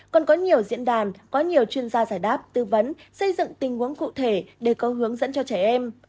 còn có nhiều diễn đàn có nhiều chuyên gia giải đáp tư vấn xây dựng tình huống cụ thể để có hướng dẫn cho trẻ em